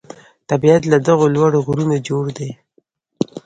طبیعت له دغو لوړو غرونو جوړ دی.